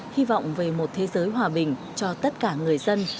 hy vọng về một thế giới hòa bình cho tất cả người dân